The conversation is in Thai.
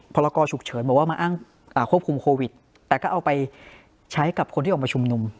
ละกรฉุกเฉินบอกว่ามาอ้างควบคุมโควิดแต่ก็เอาไปใช้กับคนที่ออกมาชุมนุม